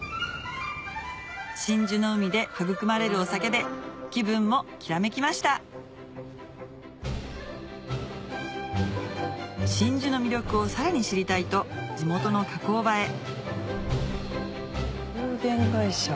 真珠の海で育まれるお酒で気分もきらめきました真珠の魅力をさらに知りたいと地元の加工場へ「有限会社」